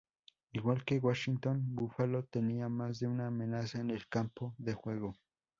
Igual que Washington, Buffalo tenía más de una amenaza en el campo de juego.